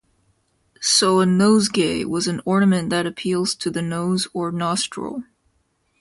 So a "nosegay" was an ornament that appeals to the nose or nostril.